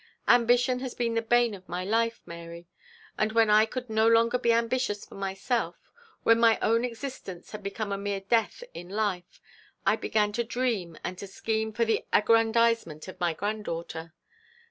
Ambition has been the bane of my life, Mary; and when I could no longer be ambitious for myself when my own existence had become a mere death in life, I began to dream and to scheme for the aggrandisement of my granddaughter.